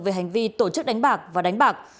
về hành vi tổ chức đánh bạc và đánh bạc